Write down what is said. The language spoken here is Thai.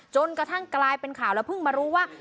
จนกระทั่งกลายเป็นข่าวแล้วเพิ่งมารู้ว่า